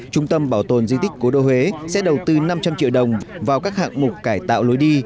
trung tâm bảo tồn di tích cố đô huế sẽ đầu tư năm trăm linh triệu đồng vào các hạng mục cải tạo lối đi